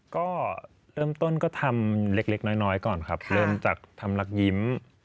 ก็เริ่มต้นก็ทำเล็กน้อยก่อนครับเริ่มจากทำลักยิ้ม